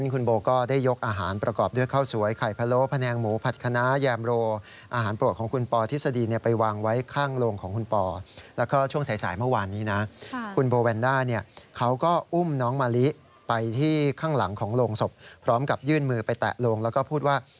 คุณโบเวนด้าเขาก็อุ้มน้องมะลิไปที่ข้างหลังของโรงศพพร้อมกับยื่นมือไปแตะโรงแล้วก็พูดว่า